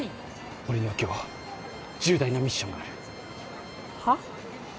俺には今日重大なミッションがあるはあ！？